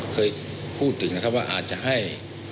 เคยพูดถึงนะครับว่าอาจจะให้